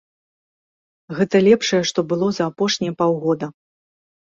Гэта лепшае, што было за апошнія паўгода.